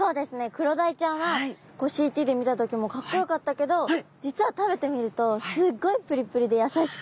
クロダイちゃんはＣＴで見た時もかっこよかったけど実は食べてみるとすっごいプリプリでやさしくて。